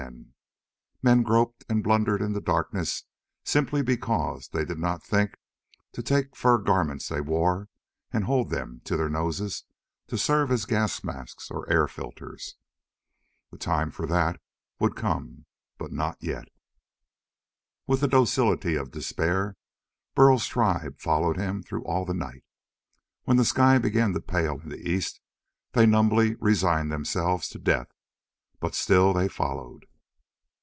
But men groped and blundered in the darkness simply because they did not think to take the fur garments they wore and hold them to their noses to serve as gas masks or air filters. The time for that would come, but not yet. With the docility of despair, Burl's tribe followed him through all the night. When the sky began to pale in the east, they numbly resigned themselves to death. But still they followed.